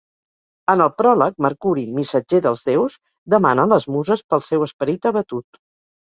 En el pròleg, Mercuri, missatger dels déus, demana a les muses pel seu esperit abatut.